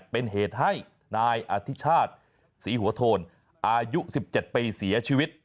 เป็นเหตุให้นายอธิชาติศรีหัวโทนอายุ๑๗ปีเสียชีวิต